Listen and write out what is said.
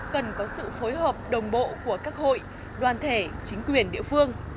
cần có sự phối hợp đồng bộ của các hội đoàn thể chính quyền địa phương